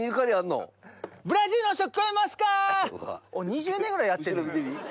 ２０年ぐらいやってんねん。